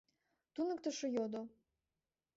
— туныктышо йодо.